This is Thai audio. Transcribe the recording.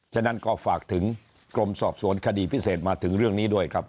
ฉะนั้นก็ฝากถึงกรมสอบสวนคดีพิเศษมาถึงเรื่องนี้ด้วยครับ